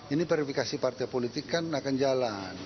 ini verifikasi partai politik kan akan jalan